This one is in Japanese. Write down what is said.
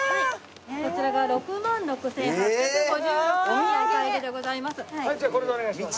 こちらが６万６８５６円のお買い上げでございます。